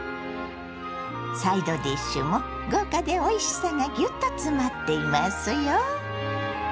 サイドディッシュも豪華でおいしさがギュッと詰まっていますよ。